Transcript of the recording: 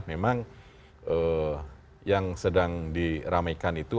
memang yang sedang diramaikan itu